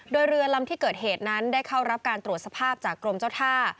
โดยเรือลำที่เกิดเหตุนั้นได้เข้ารับการตรวจสภาพจากกรมเจ้าท่า